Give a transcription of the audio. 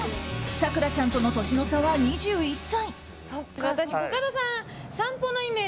咲楽ちゃんとの年の差は２１歳。